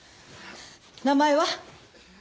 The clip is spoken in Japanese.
名前は？